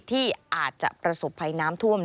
ที่อาจจะประสบภัยน้ำท่วม